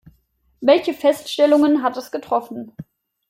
Welche Feststellungen hat es getroffen?